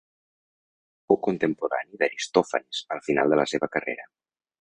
Fou contemporani d'Aristòfanes al final de la seva carrera.